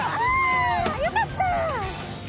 あよかった！